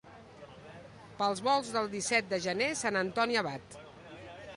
Pels volts del disset de gener, Sant Antoni Abat.